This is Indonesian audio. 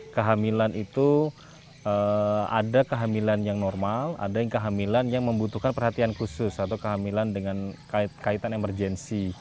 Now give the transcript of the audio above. kehamilan itu ada kehamilan yang normal ada yang kehamilan yang membutuhkan perhatian khusus atau kehamilan dengan kaitan emergensi